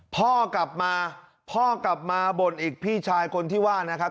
พ่อกลับมาพ่อกลับมาบ่นอีกพี่ชายคนที่ว่านะครับ